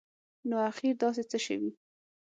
نو اخیر داسي څه شوي